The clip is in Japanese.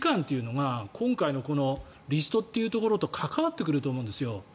逆に２時間というのが今回のリストというところと関わってくると思うんです。